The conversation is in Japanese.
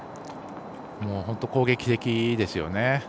本当に攻撃的ですよね。